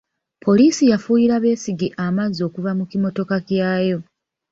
Poliisi yafuuyira Besigye amazzi okuva mu kimmotoka kyayo.